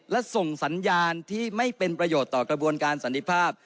และส่งสัญญาณที่ไม่เป็นประโยชน์ต่อกระบวนการสันติภาพ